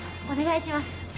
お願いします！